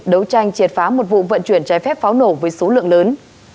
đấu tranh triệt phá một vụ vận chuyển trái phép pháo nổ với số lượng lớn